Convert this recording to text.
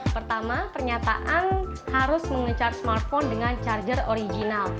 pertama pernyataan harus mengecharge smartphone dengan charger original